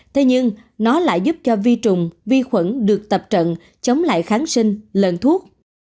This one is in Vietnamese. thế nhưng nó lại giúp cho vi trùng vi khuẩn được tập trận chống lại kháng sinh lợn thuốc